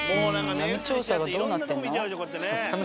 闇調査がどうなってんの。